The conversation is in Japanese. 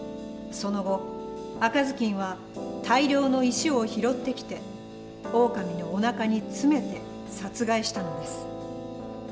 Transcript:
その後赤ずきんは大量の石を拾ってきてオオカミのおなかに詰めて殺害したのです。